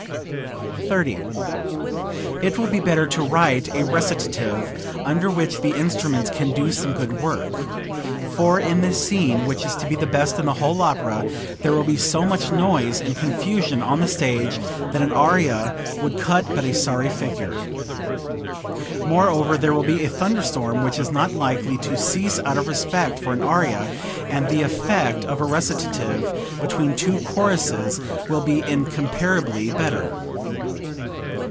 30. "It will be better to write a recitative under which the instruments can do some good work; for in this scene, which is to be the best in the whole opera, there will be so much noise and confusion on the stage that an aria would cut but a sorry figure. Moreover there will be a thunder storm which is not likely to cease out of respect for an aria, and the effect of a recitative between two choruses will be incomparably better."